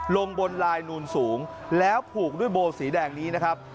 ลงบนลายนูนสูงแล้วผูกด้วยโบสีแดงนี้นะครับ